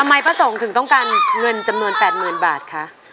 ทำไมประสงค์ถึงต้องการเงินจำนวน๘หมื่นบาทคะ